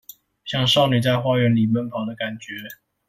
像少女在花園裡奔跑的感覺